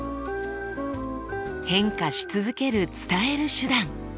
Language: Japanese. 変化し続ける「伝える手段」。